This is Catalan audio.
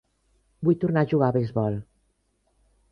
Vull tornar a jugar a beisbol.